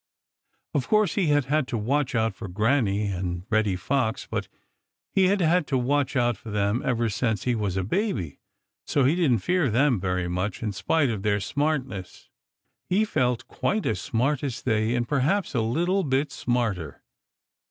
Of course he had had to watch out for Granny and Reddy Fox, but he had had to watch out for them ever since he was a baby, so he didn't fear them very much in spite of their smartness. He felt quite as smart as they and perhaps a little bit smarter.